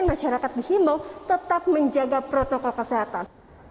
masyarakat di himau tetap menjaga protokol kesehatan